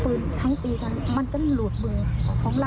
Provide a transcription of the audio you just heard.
ฟืนถ้างตีนั้นมันก็ลูดเมืองของเรา